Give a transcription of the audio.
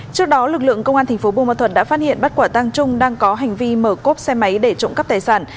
trước đó lực lượng công an tp bùa mã thuật đã phát hiện bắt quả tăng trung đang có hành vi mở cốp xe máy để trụng cắp tài sản